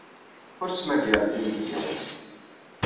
Ur ttmagarent inebgawen.